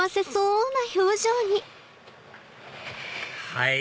はい！